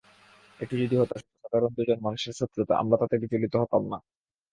এটি যদি হতো সাধারণ দুজন মানুষের শত্রুতা, আমরা তাতে বিচলিত হতাম না।